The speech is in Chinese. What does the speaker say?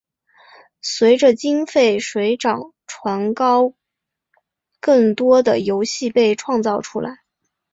随着经费水涨船高更多的游戏被创造出来。